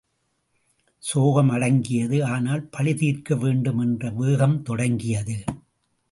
சோகம் அடங்கியது ஆனால் பழி தீர்க்க வேண்டும் என்ற வேகம் தொடங்கியது.